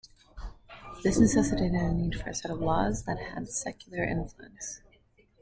This necessitated a need for a set of laws that had secular influence.